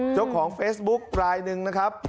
เจ้าของเฟซบุ๊คลายหนึ่งนะครับ